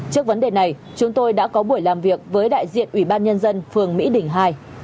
trước vấn đề này chúng tôi đã có buổi làm việc với đại diện ủy ban nhân dân phường mỹ đỉnh hai